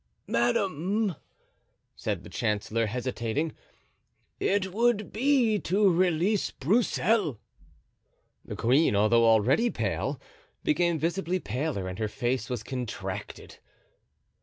"Madame," said the chancellor, hesitating, "it would be to release Broussel." The queen, although already pale, became visibly paler and her face was contracted.